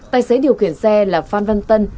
tài xế điều khiển xe là phan văn tân